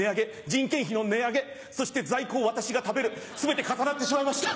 人件費の値上げそして在庫を私が食べる全て重なってしまいました。